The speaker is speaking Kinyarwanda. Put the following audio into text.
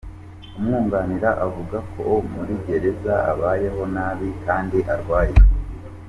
Umwunganira avuga ko muri gereza abayeho nabi kandi arwaye.